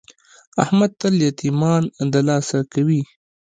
احمد تل یتمیان دلاسه کوي.